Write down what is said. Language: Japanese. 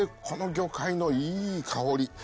この魚介のいい香り。